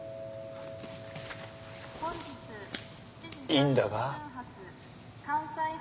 いんだが？